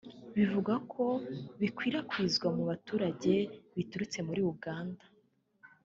bivugwa ko bikwirakwizwa mu baturage biturutse muri Uganda